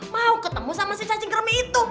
mau ketemu sama si cacing kermi itu